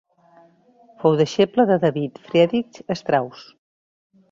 Fou deixeble de David Friedrich Strauss.